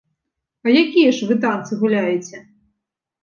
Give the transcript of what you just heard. А якія ж вы танцы гуляеце?